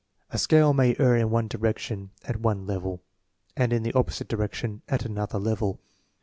A scale may err in one direction at one level and in the opposite direction at another level.